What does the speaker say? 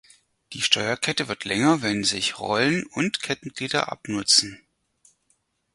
Die Steuerkette wird länger, wenn sich Rollen und Kettenglieder abnutzen.